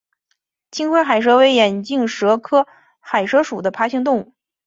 青灰海蛇为眼镜蛇科海蛇属的爬行动物。